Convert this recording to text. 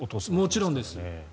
もちろんです。